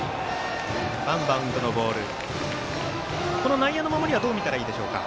内野の守りはどう見たらいいでしょうか。